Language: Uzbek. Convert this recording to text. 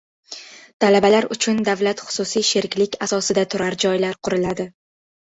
Talabalar uchun davlat-xususiy sheriklik asosida turar joylar quriladi